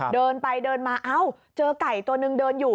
เดินไปเดินมาเอ้าเจอไก่ตัวนึงเดินอยู่